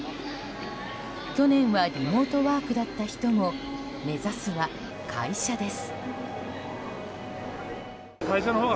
去年はリモートワークだった人も目指すは会社です。